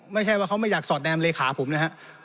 ไม่ใช่ว่าเขาไม่อยากสอดแนมเลขาผมนะฮะ